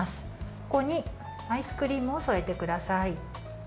ここにアイスクリームを添えてください。